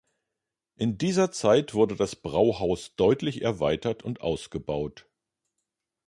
In dieser Zeit wurde das Brauhaus deutlich erweitert und ausgebaut.